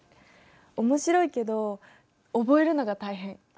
面白いけど覚えるのが大変。